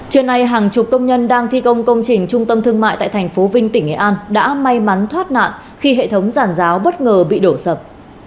trưa nay hàng chục công nhân đang thi công công trình trung tâm thương mại tại thành phố vinh tỉnh nghệ an đã may mắn thoát nạn khi hệ thống giàn giáo bất ngờ bị đổ sập